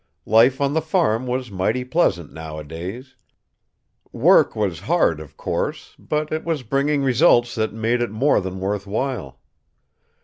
Life on the farm was mighty pleasant, nowadays. Work was hard, of course, but it was bringing results that made it more than worth while.